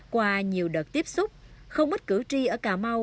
qua nhiều đợt tiếp xúc không ít cử tri ở cà mau